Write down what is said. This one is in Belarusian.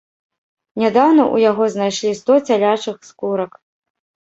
Нядаўна ў яго знайшлі сто цялячых скурак.